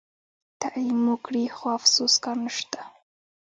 تعلیم مو کړي خو افسوس کار نشته.